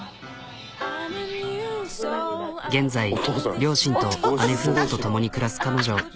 現在両親と姉夫婦と共に暮らす彼女。